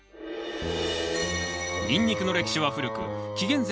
ニンニクの歴史は古く紀元前